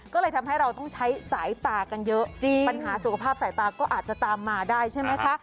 ก็เลยทำให้เราต้องใช้สายตากันเยอะจริงปัญหาสุขภาพสายตาก็อาจจะตามมาได้ใช่ไหมคะ